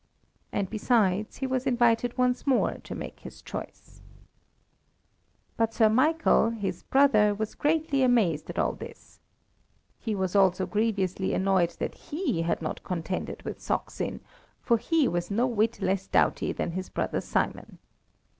And, besides, he was invited once more to make his choice. But Sir Michael, his brother, was greatly amazed at all this. He was also grievously annoyed that he had not contended with Saksin, for he was no whit less doughty than his brother Simon.